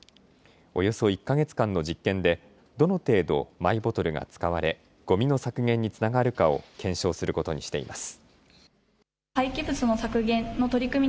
およそ１か月間の実験でどの程度、マイボトルが使われごみの削減につながるかを検証することにしています。